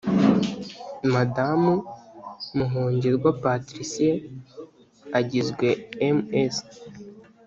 madamu muhongerwa patricie agizwe ms